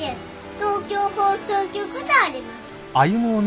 東京放送局であります。